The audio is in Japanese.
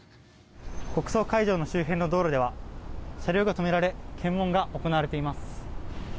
国葬会場の周辺の道路では車両が止められ検問が行われています。